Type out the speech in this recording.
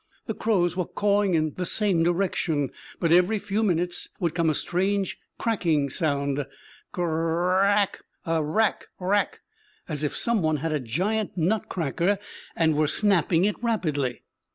The crows were cawing in the same direction; but every few minutes would come a strange cracking sound c r r rack a rack rack, as if some one had a giant nutcracker and were snapping it rapidly.